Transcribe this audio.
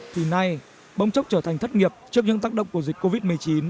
thì nay bỗng chốc trở thành thất nghiệp trước những tác động của dịch covid một mươi chín